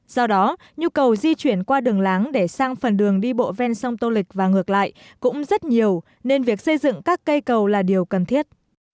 do đó nhu cầu di chuyển qua đường láng để sang phần đường đi bộ ven sông tô lịch và ngược lại cũng rất nhiều nên việc xây dựng các cây cầu là điều cần thiết